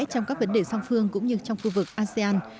trong các vấn đề song phương cũng như trong khu vực asean